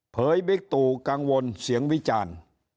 เยบิ๊กตู่กังวลเสียงวิจารณ์